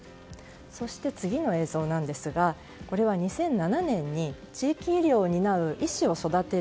そして次の映像なんですがこれは２００７年に地域医療を担う医師を育てる